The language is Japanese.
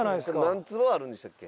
何坪あるんでしたっけ？